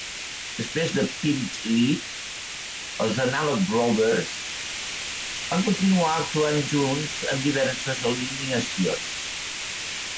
Després de "Pimp to Eat", els Analog Brothers van continuar actuant junts en diverses alineacions.